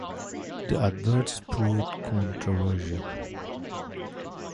The adverts proved controversial.